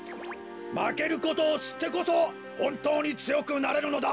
まけることをしってこそほんとうにつよくなれるのだ。